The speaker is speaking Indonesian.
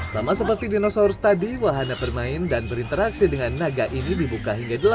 sama seperti dinosaur study wahana bermain dan berinteraksi dengan naga ini dibuka hingga delapan jam